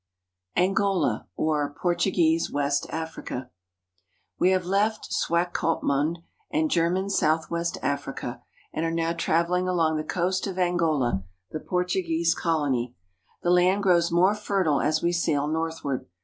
ANGOLA, OR PORTUGUESE WEST AFRICA WE have left Swakopraund and German Southwest Africa, and are now traveling along the coast of Angola, the Portuguese colony. The land grows more fertile as we sail northward.